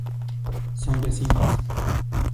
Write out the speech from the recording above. Son vecinos.